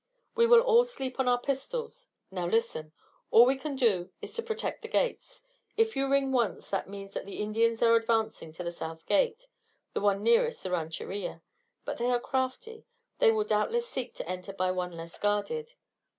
"We will all sleep on our pistols. Now listen. All we can do is to protect the gates. If you ring once that means that the Indians are advancing on the south gate, the one nearest the rancheria. But they are crafty, and will doubtless seek to enter by one less guarded.